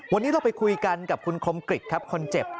วันนี้เราไปคุยกันกับคุณคมกริจครับคนเจ็บ